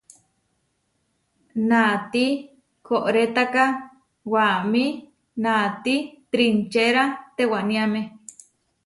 Naati koʼrétaka waʼámi naáti trinčéra tewániame.